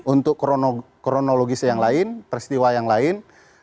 untuk kronologis yang lain peristiwa yang lain